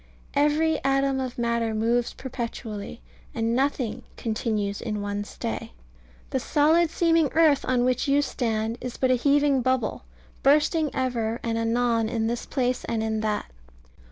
Every atom of matter moves perpetually; and nothing "continues in one stay." The solid seeming earth on which you stand is but a heaving bubble, bursting ever and anon in this place and in that.